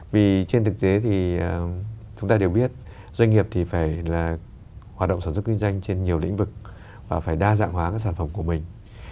vì trên thực tế thì chúng ta đều biết doanh nghiệp thì phải là hoạt động sản xuất kinh doanh trên nhiều lĩnh vực và phải đa dạng hóa các sản phẩm của mình